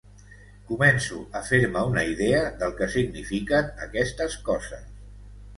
Començo a fer-me una idea del que signifiquen aquestes coses.